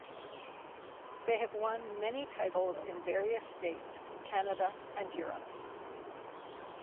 They have won many titles in various states, Canada and Europe.